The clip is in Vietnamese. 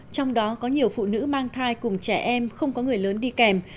trong đó có nhiều phụ nữ mang thai cùng trẻ em không có người lớn đi kèm